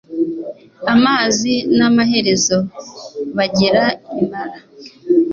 amazi n Amaherezo bagera i Mara